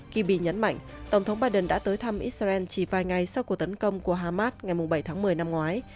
kiby nhấn mạnh tổng thống biden đã tới thăm israel chỉ vài ngày sau cuộc tấn công của hamas ngày bảy tháng một mươi năm ngoái